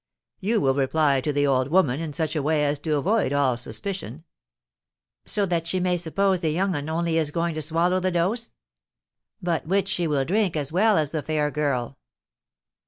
You will reply to the old woman in such a way as to avoid all suspicion.' 'So that she may suppose the young 'un only is going to swallow the dose?' 'But which she will drink as well as the fair girl.'